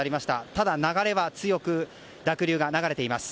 ただ、流れは強く濁流が流れています。